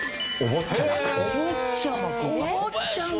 『おぼっちゃまくん』。